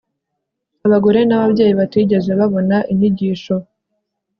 Abagore nababyeyi batigeze babona inyigisho